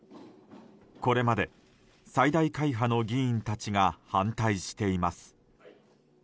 これまで最大会派の議員たちが反対しています。